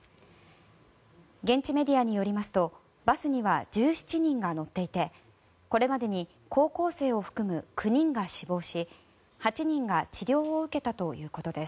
現地メディアによりますとバスには１７人が乗っていてこれまでに高校生を含む９人が死亡し８人が治療を受けたということです。